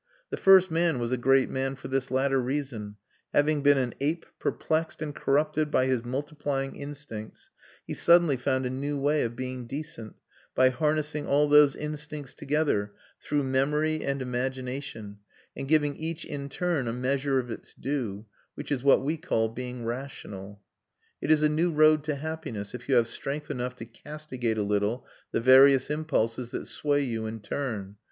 The first man was a great man for this latter reason; having been an ape perplexed and corrupted by his multiplying instincts, he suddenly found a new way of being decent, by harnessing all those instincts together, through memory and imagination, and giving each in turn a measure of its due; which is what we call being rational. It is a new road to happiness, if you have strength enough to castigate a little the various impulses that sway you in turn.